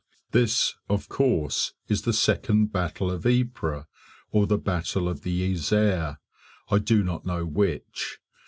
This, of course, is the second battle of Ypres, or the battle of the Yser, I do not know which.